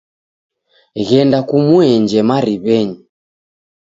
Ghenda kumuenje mariw'enyi.